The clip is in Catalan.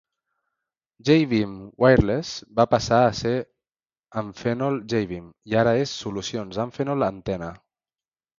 Jaybeam Wireless va passar a ser Amphenol Jaybeam i ara és Solucions Amphenol Antenna.